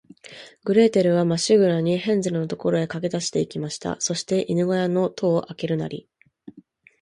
グレーテルは、まっしぐらに、ヘンゼルのいる所へかけだして行きました。そして、犬ごやの戸をあけるなり、